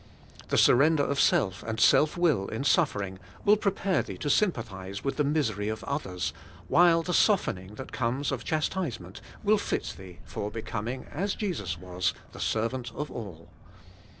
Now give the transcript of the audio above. The surrender of self and self will in suffering will prepare thee to sympathize with the misery of others, while the softening that comes of chastisement will fit thee for becoming, as Jesus was, the servant of all.